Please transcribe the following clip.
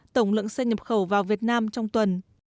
tổng lượng xe nhập khẩu vào việt nam trong tuần